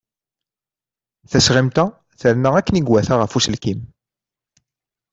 Tasɣimt-a terna akken i iwata ɣef uselkim.